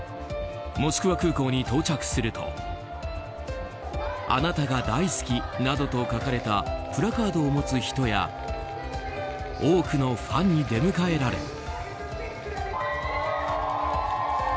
モスクワ空港に到着すると「あなたが大好き」などと書かれたプラカードを持つ人や多くのファンに出迎えられ。